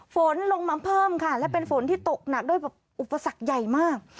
ฝนลงมาเพิ่มค่ะและเป็นฝนที่ตกหนักด้วยแบบอุปสรรคใหญ่มาก